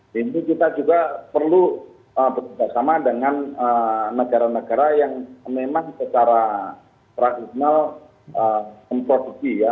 di situ kita juga perlu bekerja sama dengan negara negara yang memang secara tradisional memproduksi ya